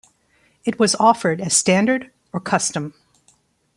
It was offered as "Standard" or "Custom".